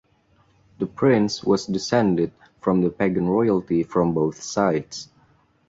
The prince was descended from the Pagan royalty from both sides.